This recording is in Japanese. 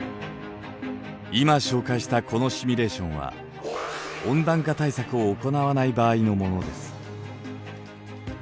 今紹介したこのシミュレーションは温暖化対策を行わない場合のものです。